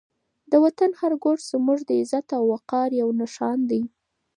د وطن هر ګوټ زموږ د عزت او وقار یو نښان دی.